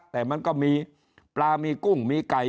แต่มันก็มีปลามีกุ้งมีไก่